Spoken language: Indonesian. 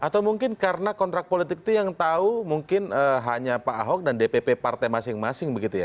atau mungkin karena kontrak politik itu yang tahu mungkin hanya pak ahok dan dpp partai masing masing begitu ya